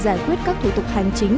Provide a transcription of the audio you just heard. giải quyết các thủ tục hành chính